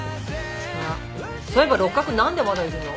あっそういえば六角何でまだいるの？